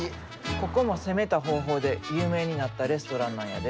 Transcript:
ここも攻めた方法で有名になったレストランなんやで。